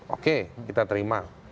oke kita terima